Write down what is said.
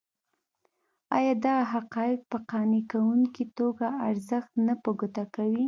ایا دغه حقایق په قانع کوونکې توګه ارزښت نه په ګوته کوي.